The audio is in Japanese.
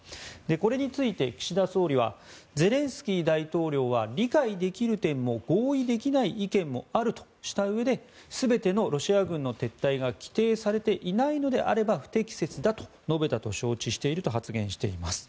これについて岸田総理はゼレンスキー大統領は理解できる点も合意できない意見もあるとしたうえで全てのロシア軍の撤退が規定されていないのであれば不適切だと述べたと承知していると発言しています。